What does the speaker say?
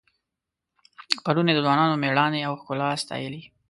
پرون یې د ځوانانو میړانې او ښکلا ستایلې.